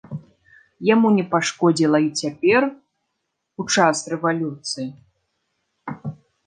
Яму не пашкодзіла і цяпер, у час рэвалюцыі.